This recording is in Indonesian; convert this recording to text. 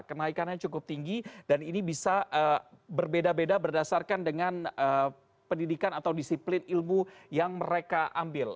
kenaikannya cukup tinggi dan ini bisa berbeda beda berdasarkan dengan pendidikan atau disiplin ilmu yang mereka ambil